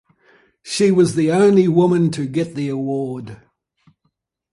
She was the only woman to get the award.